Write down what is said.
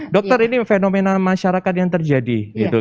dokter ini fenomena masyarakat yang terjadi